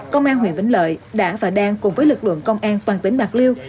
công an huyện vĩnh lợi đã và đang cùng với lực lượng công an toàn tỉnh bạc liêu